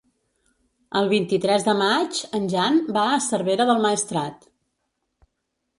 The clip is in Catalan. El vint-i-tres de maig en Jan va a Cervera del Maestrat.